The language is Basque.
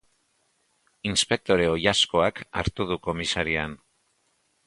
Inspektore oilaskoak hartu du komisarian.